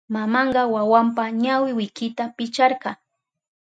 Mamanka wawanpa ñawi wikita picharka.